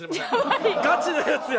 ガチなやつや。